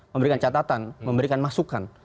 memberikan catatan memberikan masukan